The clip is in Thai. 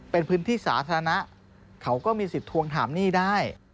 เป็นพื้นที่สาธารณะเขาก็มีสิทธิ์ทวงถามหนี้ได้